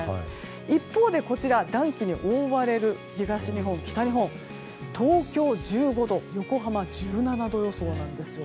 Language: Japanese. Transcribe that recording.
一方で暖気に覆われる東日本、北日本は東京、１５度横浜、１７度予想なんですよ。